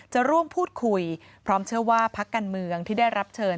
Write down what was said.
จะร่วมพูดคุยพร้อมเชื่อว่าพักการเมืองที่ได้รับเชิญ